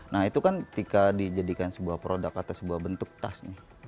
nah itu kan ketika dijadikan sebuah produk atau sebuah bentuk tas nih